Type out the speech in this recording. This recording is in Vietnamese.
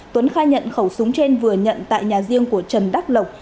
tuấn khai nhận khẩu súng trên vừa nhận tại nhà riêng của trần đắc lộc